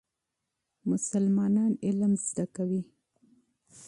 مسلمانان علم زده کوي.